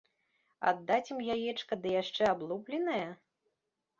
Аддаць ім яечка ды яшчэ аблупленае?